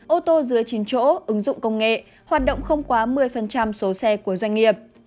ô tô dưới chín chỗ ứng dụng công nghệ hoạt động không quá một mươi số xe của doanh nghiệp